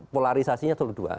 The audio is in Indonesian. polarisasi nya seluruh dua